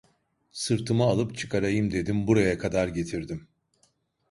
Sırtıma alıp çıkarayım dedim, buraya kadar getirdim…